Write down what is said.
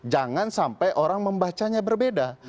jangan sampai orang membacanya berbeda